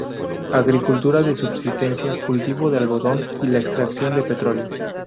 Agricultura de subsistencia, cultivo de algodón y la extracción de petróleo.